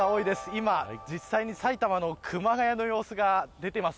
今、実際に埼玉の熊谷の様子が出ています。